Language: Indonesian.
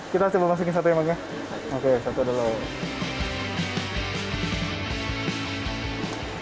kita coba masukin satu yang bagian